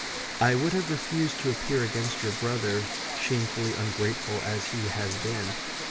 I would have refused to appear against your brother, shamefully ungrateful as he has been.